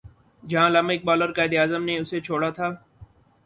جہاں علامہ اقبال اور قائد اعظم نے اسے چھوڑا تھا۔